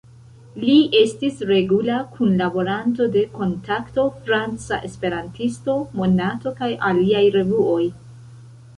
Li estis regula kunlaboranto de "Kontakto," "Franca Esperantisto", "Monato" kaj aliaj revuoj.